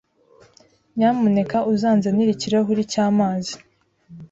Nyamuneka uzanzanire ikirahuri cy'amazi.